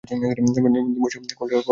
করলে কোনো আপত্তি নেই তো?